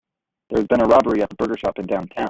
There has been a robbery at the burger shop in downtown.